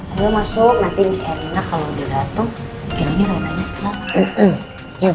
ayo masuk nanti miss erina kalau udah gatung kirain aja renanya kenapa